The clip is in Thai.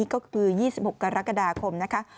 ก็คือ๒๖กรกฎาคมนะคะ